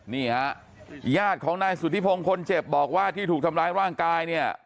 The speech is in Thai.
นี่ฮะญาติของนายสุธิพงศ์คนเจ็บบอกว่าที่ถูกทำร้ายร่างกายเนี่ย